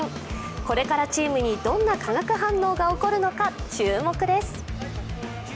これからチームにどんな化学反応が起こるのか注目です。